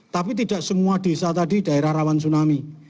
tapi tidak semua desa tadi daerah rawan tsunami